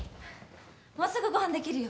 もうすぐご飯できるよ。